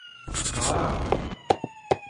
Ɣer-aɣ-d.